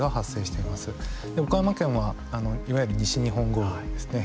岡山県はいわゆる西日本豪雨ですね。